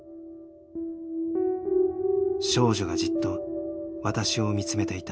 少女がじっと私を見つめていた。